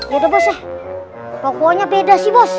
gitu bos ya pokoknya beda sih bos